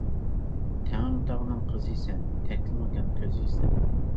تەڭرىتاغنىڭ قىزى سەن، تەكلىماكان كۆزى سەن.